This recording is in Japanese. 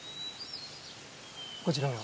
こちらは？